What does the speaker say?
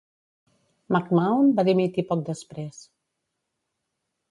McMahon va dimitir poc després.